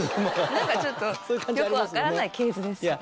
何かちょっとよく分からない系図です。